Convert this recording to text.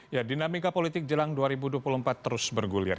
ya dinamika politik jelang dua ribu dua puluh empat terus bergulir